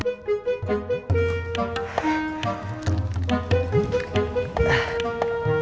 tadoba pukul semua